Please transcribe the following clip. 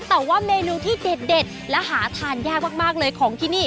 แต่ว่าเมนูที่เด็ดและหาทานยากมากเลยของที่นี่